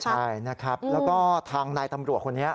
ใช่นะครับแล้วก็ทางนายตำรวจคนนี้